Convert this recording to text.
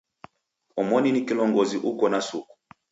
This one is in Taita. Omoni ni kilongozi uko na suku.